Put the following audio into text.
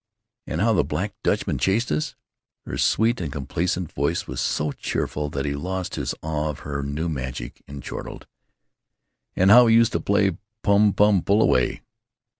"And how the Black Dutchman chassssed us!" Her sweet and complacent voice was so cheerful that he lost his awe of her new magic and chortled: "And how we used to play pum pum pull away."